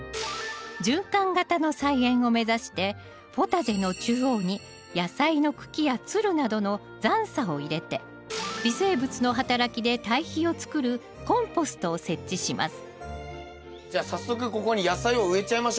循環型の菜園を目指してポタジェの中央に野菜の茎やつるなどの残を入れて微生物の働きで堆肥をつくるコンポストを設置しますじゃあ早速ここに野菜を植えちゃいましょう。